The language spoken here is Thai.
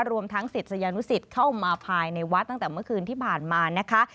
รวมทั้งศิษยานุสิตเข้ามาภายในวัดตั้งแต่เมื่อคืนที่ผ่านมานะคะ